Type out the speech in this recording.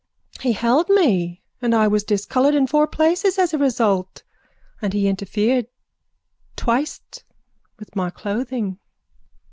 He held me and I was discoloured in four places as a result. And he interfered twict with my clothing.